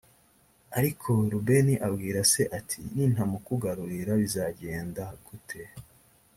ariko rubeni abwira se ati “nintamukugarurira bizagenda gute?”